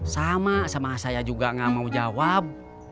sama sama saya juga gak mau jawab